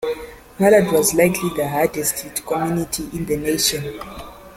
Malad was likely the hardest hit community in the nation.